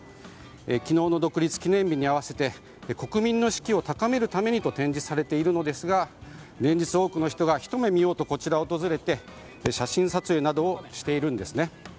昨日の独立記念日に合わせて国民の士気を高めるためにと展示されているのですが連日多くの人がひと目見ようとこちらを訪れて写真撮影などをしているんですね。